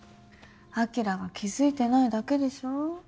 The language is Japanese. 晶が気付いてないだけでしょ。